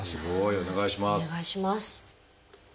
お願いします。